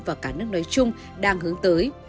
và cả nước nói chung đang hướng tới